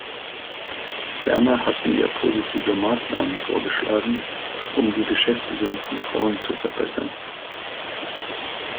Ferner hatten wir positive Maßnahmen vorgeschlagen, um die Beschäftigung von Frauen zu verbessern.